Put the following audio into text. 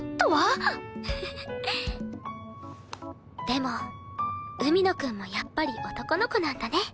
でも海野くんもやっぱり男の子なんだね。